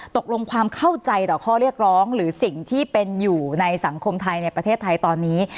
ตกลงความเข้าใจต่อข้อเรียกร้องหรือสิ่งที่เป็นอยู่ในสังคมไทยในประเทศไทยตอนนี้